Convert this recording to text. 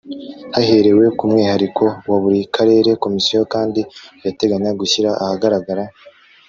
Haherewe ku mwihariko wa buri karere komisiyo kandi irateganya gushyira ahagaragara